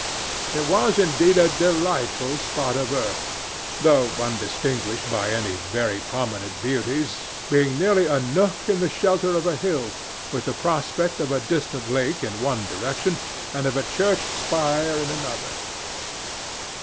It was indeed a delightful spot of earth, though undistinguished by any very prominent beauties, being merely a nook in the shelter of a hill, with the prospect of a distant lake in one direction and of a church spire in another.